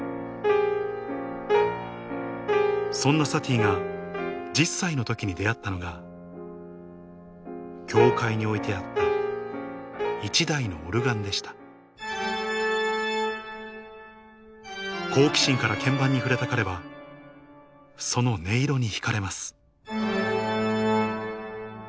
そんなサティが１０歳の時に出会ったのが教会に置いてあった１台のオルガンでした好奇心から鍵盤に触れた彼はその音色に引かれます